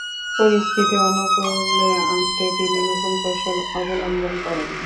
পরিস্থিতি অনুকূলে আনতে তিনি নতুন কৌশল অবলম্বন করেন।